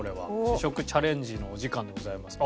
試食チャレンジのお時間でございます。